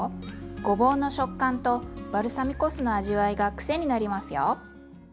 ごぼうの食感とバルサミコ酢の味わいが癖になりますよ。